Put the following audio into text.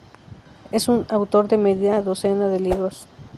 Es autor de media docena de libros.